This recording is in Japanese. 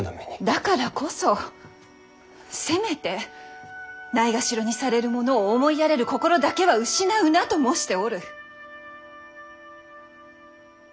だからこそせめてないがしろにされる者を思いやれる心だけは失うなと申しておる。